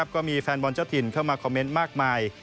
ก็มีแฟนบอลเจ้าถิ่นเข้ามาคอมเมนต์มากมาย